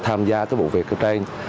tham gia cái bộ việc ở trên